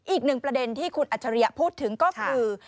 อีกหนึ่งประเด็นที่คุณอัจฉริยะพูดถึงก็คือ